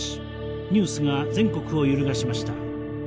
ニュースが全国を揺るがしました。